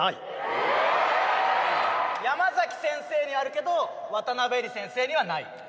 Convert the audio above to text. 山崎先生にあるけど渡邊えり先生にはない。